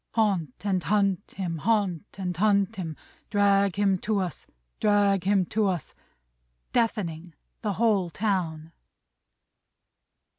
"Haunt and hunt him, haunt and hunt him, Drag him to us, drag him to us!" Deafening the whole town!